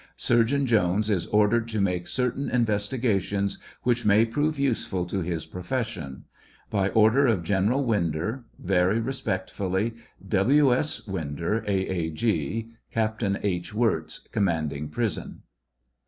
Surgeon Jones is ordered to irmi^e certain investigations which may prove usefuL to his profession. By order of General Winder : Very respectfully, W. S. WINDER, A. A. G. Captain H. WiRZ, Commanding Prison.